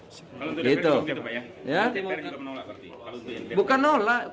kalau itu dpr juga menolak